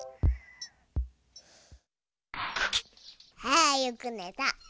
あよくねた。